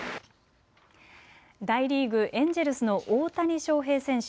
大リーグ、エンジェルスの大谷翔平選手。